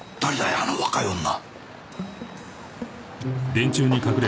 あの若い女。